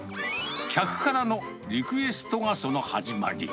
客からのリクエストがその始まり。